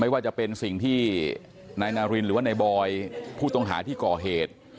ว่าจะเป็นสิ่งที่นายนารินหรือว่านายบอยผู้ต้องหาที่ก่อเหตุ